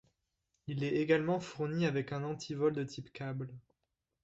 Il est également fourni avec un anti-vol de type câble.